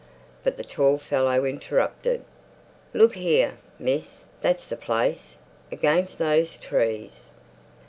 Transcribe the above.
But the tall fellow interrupted. "Look here, miss, that's the place. Against those trees.